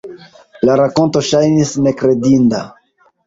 La rakonto ŝajnis nekredinda.